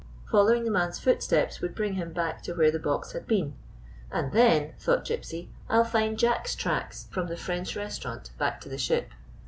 Following the man's footsteps would bring him back to where the box had been. "And then," thought Gypsy, " I 'll find Jack's tracks from the French restaurant back to the ship."